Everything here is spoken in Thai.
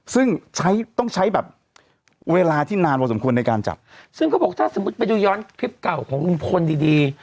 ซึ่งใช้ต้องใช้แบบเวลาที่นานพอสมควรในการจับซึ่งเขาบอกถ้าสมมุติไปดูย้อนคลิปเก่าของลุงพลดีดี